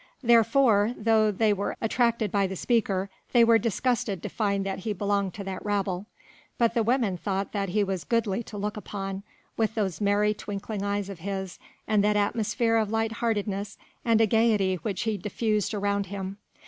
Therefore, though they were attracted by the speaker, they were disgusted to find that he belonged to that rabble; but the women thought that he was goodly to look upon, with those merry, twinkling eyes of his, and that atmosphere of light heartedness and a gaiety which he diffused around him.